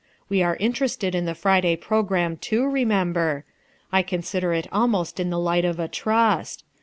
We are interested in the Friday programme, too, remember. I consider it almost in the light of a trust.